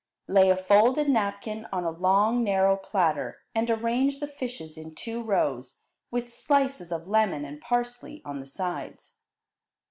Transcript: Lay a folded napkin on a long, narrow platter, and arrange the fishes in two rows, with slices of lemon and parsley on the sides.